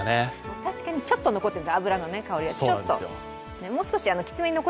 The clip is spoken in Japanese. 確かにちょっと残ってる、油のにおいがちょっと。